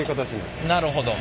なるほど。